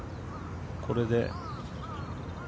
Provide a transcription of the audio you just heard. これで。